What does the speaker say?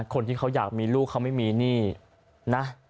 คนที่เขาอยากมีลูกเขาไม่มีหนี้นะ